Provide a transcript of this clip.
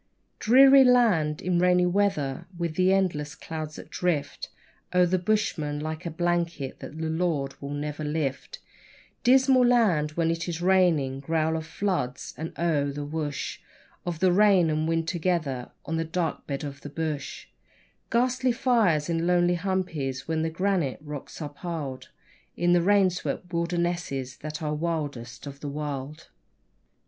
Dreary land in rainy weather, with the endless clouds that drift O'er the bushman like a blanket that the Lord will never lift Dismal land when it is raining growl of floods, and, oh! the woosh Of the rain and wind together on the dark bed of the bush Ghastly fires in lonely humpies where the granite rocks are piled In the rain swept wildernesses that are wildest of the wild.